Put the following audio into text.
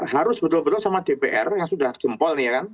harus betul betul sama dpr yang sudah jempol nih ya kan